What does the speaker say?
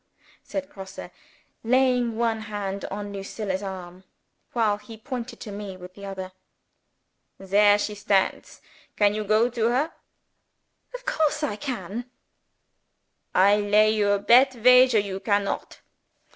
said Grosse, laying one hand on Lucilla's arm, while he pointed to me with the other. "There she stands. Can you go to her?" "Of course I can!" "I lay you a bet wager you can _not!